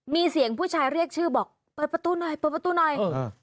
มีเสียงผู้ชายเรียกชื่อบอกเปิดประตูหน่อยเปิดประตูหน่อย